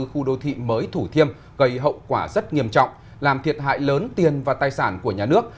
khu đô thị mới thủ thiêm gây hậu quả rất nghiêm trọng làm thiệt hại lớn tiền và tài sản của nhà nước